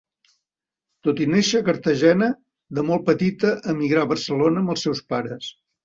Tot i néixer a Cartagena, de molt petita emigrà a Barcelona amb els seus pares.